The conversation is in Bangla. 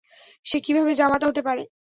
সে কীভাবে জামাতা হতে পারে?